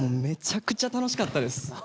めちゃくちゃ楽しかったです。